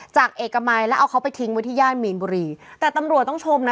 เอกมัยแล้วเอาเขาไปทิ้งไว้ที่ย่านมีนบุรีแต่ตำรวจต้องชมนะ